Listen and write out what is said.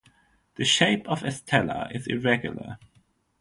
The shape of Estella is irregular.